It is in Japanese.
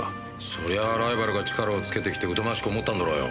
そりゃあライバルが力をつけてきて疎ましく思ったんだろうよ。